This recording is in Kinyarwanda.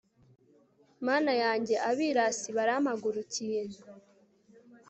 mana yanjye, abirasi barampagurukiye